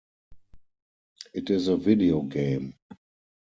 It is a video game.